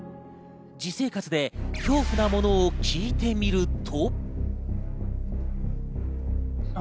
実生活で恐怖なものを聞いてみると。